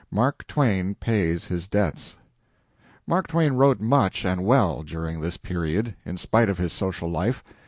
MARK TWAIN PAYS HIS DEBTS Mark Twain wrote much and well during this period, in spite of his social life.